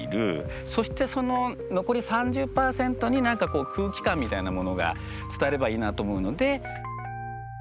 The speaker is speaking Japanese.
そしてその残り３０％に何かこう空気感みたいなものが伝わればいいなと思うので。